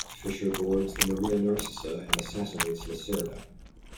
Fisher boards the "Maria Narcissa" and assassinates Lacerda.